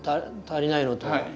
足りないのと。